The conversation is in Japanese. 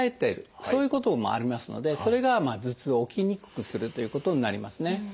そういうこともありますのでそれが頭痛を起きにくくするということになりますね。